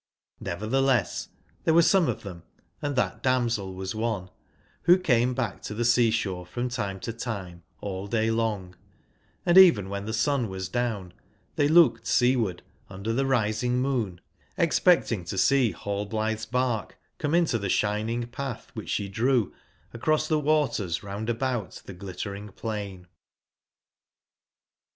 JSevcr/ theless, there were some of them (and that damsel was one), who came bach to the sea/shore from time to time all day long; & even when the sun was down they loohed seaward under the rising moon, expect ing to see Rallblithe's barh come into the shining path which she drew across the waters round about the Glittering plain.